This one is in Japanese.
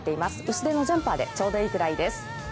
薄手のジャンパーでちょうどいいくらいです。